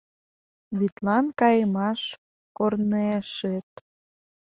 Вӱдлан кайымаш корнешет